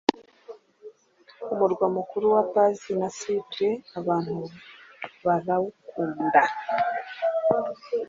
Umurwa mukuru: La Paz na Sucre abantu bara w’ukunda